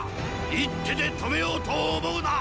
一手で止めようと思うな！